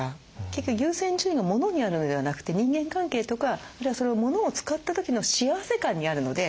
結局優先順位がモノにあるのではなくて人間関係とかあるいはそのモノを使った時の幸せ感にあるので。